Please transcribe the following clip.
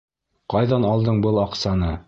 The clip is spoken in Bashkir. Ҡайҙан алдың был аҡсаны?